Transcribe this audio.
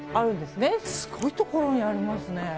すごいところにありますね。